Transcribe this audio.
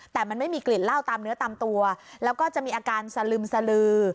แต่มันไม่มีกลิ่นเหล้าตามเนื้อตามตัวแล้วก็จะมีอาการสลึมสลือ